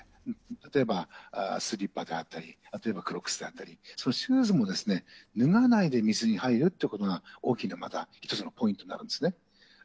例えば、スリッパであったり、例えばクロックスであったり、シューズもですね、脱がないで水に入るということが、大きなまた１つのポイントになるんですね。